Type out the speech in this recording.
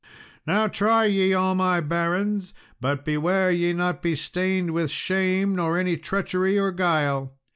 "Now try ye, all my barons; but beware ye be not stained with shame, or any treachery, or guile."